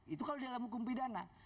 itu kalau dalam hukum pidana